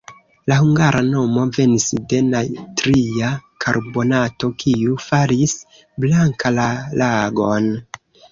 La hungara nomo venis de natria karbonato, kiu faris blanka la lagon.